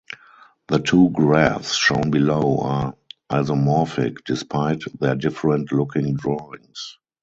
The two graphs shown below are isomorphic, despite their different looking drawings.